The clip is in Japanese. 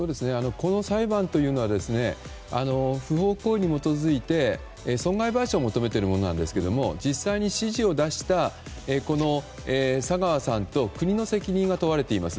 この裁判というのは不法行為に基づいて損害賠償を求めているものなんですけど実際に指示を出した佐川さんと国の責任が問われています。